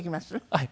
はい。